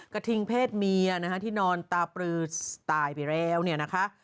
กระทิงเพศเมียนะคะที่นอนตาปลือตายไปแล้วเนี่ยนะคะ